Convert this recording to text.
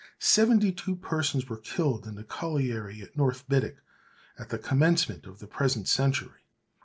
Seventy two persons were killed in a colliery at North Biddick at the commencement of the present century.